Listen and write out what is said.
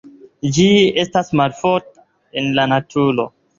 Ĝi estas malofta en la naturo.